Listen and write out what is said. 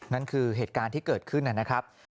นั่นคือเหตุการณ์ที่เกิดขึ้นนะครับ